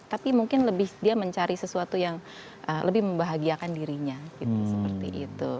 tapi mungkin lebih dia mencari sesuatu yang lebih membahagiakan dirinya seperti itu